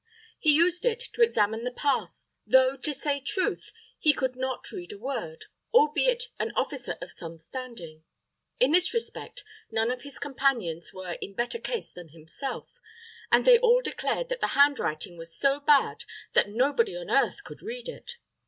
He used it also to examine the pass, though, to say truth, he could not read a word, albeit an officer of some standing. In this respect none of his companions were in better case than himself; and they all declared that the handwriting was so bad that nobody on earth could read it.